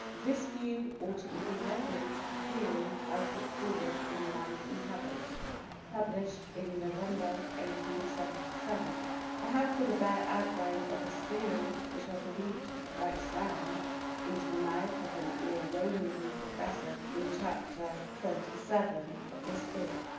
This view ultimately led me to the theory I put forward in Life and Habit, published in November, 1877. I have put a bare outline of this theory (which I believe to be quite sound) into the mouth of an Erewhonian professor in Chapter XXVII of this book."